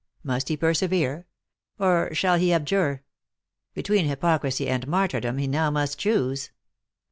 Must he persevere? or shall he abjure? Between hypocrisy and martyrdom, he now must choose.